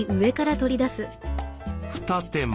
二手間。